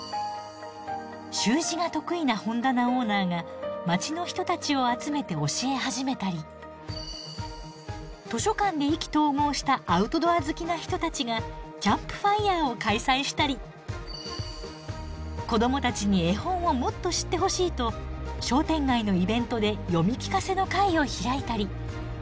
習字が得意な本棚オーナーが街の人たちを集めて教え始めたり図書館で意気投合したアウトドア好きな人たちがキャンプファイアを開催したり子どもたちに絵本をもっと知ってほしいと商店街のイベントで読み聞かせの会を開いたり。